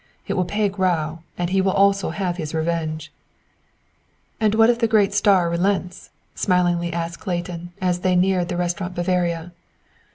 It will pay Grau, and he will also have his revenge!" "And if the great star relents?" smilingly asked Clayton, as they neared the Restaurant Bavaria.